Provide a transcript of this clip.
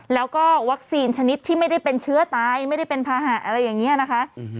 แล้วก็วัคซีนชนิดที่ไม่ได้เป็นเชื้อตายไม่ได้เป็นภาหะอะไรอย่างนี้นะคะ